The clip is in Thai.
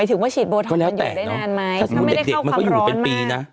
เค้าไม่ได้เข้าคำร้อนมาก